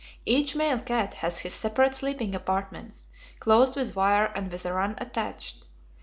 Each male cat has his separate sleeping apartments, closed with wire and with a 'run' attached.